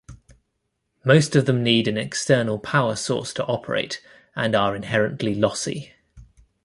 Most of them need an external power source to operate and are inherently lossy.